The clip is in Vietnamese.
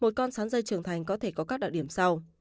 một con sắn dây trưởng thành có thể có các đặc điểm sau